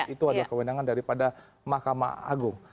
itu adalah kewenangan daripada mahkamah agung